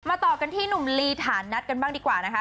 ต่อกันที่หนุ่มลีฐานนัทกันบ้างดีกว่านะคะ